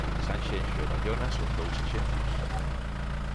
Sanxenxo e Baiona son dous exemplos.